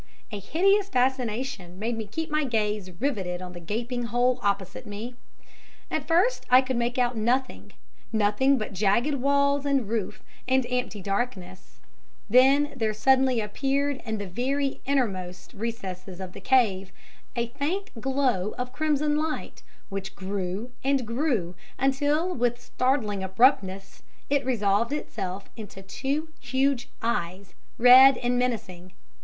A hideous fascination made me keep my gaze riveted on the gaping hole opposite me. At first I could make out nothing nothing but jagged walls and roof, and empty darkness; then there suddenly appeared in the very innermost recesses of the cave a faint glow of crimson light which grew and grew, until with startling abruptness it resolved itself into two huge eyes, red and menacing.